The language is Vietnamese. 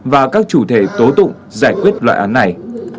và các chủ thể tố tụng giải quyết loại án này